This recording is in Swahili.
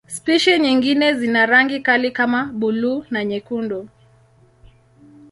Spishi nyingine zina rangi kali kama buluu na nyekundu.